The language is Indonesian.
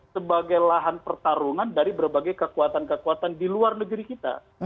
sebagai lahan pertarungan dari berbagai kekuatan kekuatan di luar negeri kita